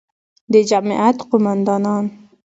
د جمعیت قوماندان،